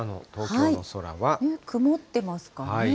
曇ってますかね。